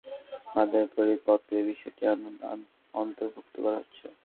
তাই এখন আইন সংশোধনের মাধ্যমের পরিপত্রের বিষয়টি আইনে অন্তর্ভুক্ত করা হচ্ছে।